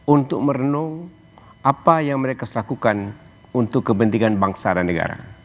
untuk merenung apa yang mereka harus lakukan untuk kepentingan bangsa dan negara